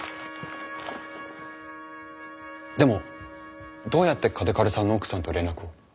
でもどうやって嘉手刈さんの奥さんと連絡を？